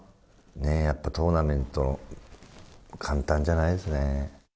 やっぱトーナメント、簡単じゃないですね。